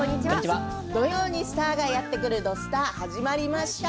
土曜にスターがやって来る「土スタ」始まりました。